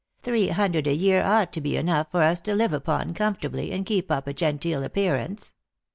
" Three hundred a year ought to be enough for us to live upon comfortably, and keep up a genteel appearance."